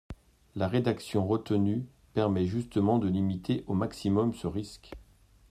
La rédaction retenue permet justement de limiter au maximum ce risque.